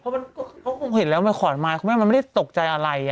เพราะมันก็เพราะมันเห็นแล้วมันขอนมาคุณแม่มันไม่ได้ตกใจอะไรอ่ะ